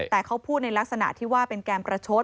แต่เขาพูดในลักษณะที่ว่าเป็นการประชด